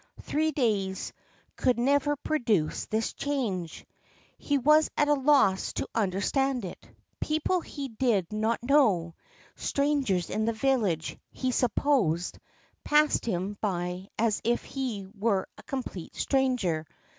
Three days could never produce this change. He was at a loss to understand it. People he did not know strangers in the village, he supposed passed him by as if he were a complete stranger.